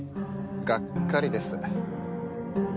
がっかりです。